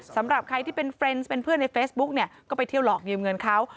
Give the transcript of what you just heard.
สำหรับใครที่เป็นเฟรนซ์เป็นเพื่อนในเฟซบุ๊กเนี่ยก็ไปเที่ยวหลอกยืมเงินเขา